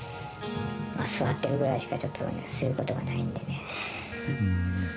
座ってるぐらいしかちょっとすることがないんでね。